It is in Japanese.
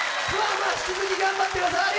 ツアー引き続き頑張ってください！